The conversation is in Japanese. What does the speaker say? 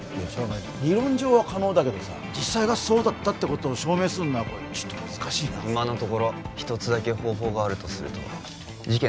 理論上は可能だけどさ実際がそうだったってことを証明すんのはちょっと難しいな今のところひとつだけ方法があるとすると事件